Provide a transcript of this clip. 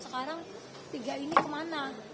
sekarang tiga ini kemana